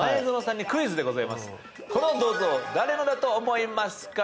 この銅像誰のだと思いますか？